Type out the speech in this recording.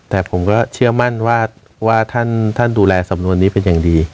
แต่ผมก็เชื่อมั่นว่าท่านดูแลสำนวนนี้เป็นอย่างดี